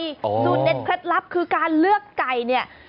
สูตรเด็ดเคล็ดลับคือการเลือกไก่เนี่ย